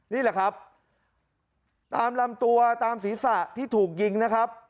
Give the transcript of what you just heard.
นี่แหละครับตามลำตัวตามศีรษะที่ถูกยิงนะครับ